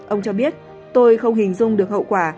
ông cho biết tôi không hình dung được hậu quả